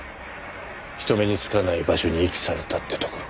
人目につかない場所に遺棄されたってところか。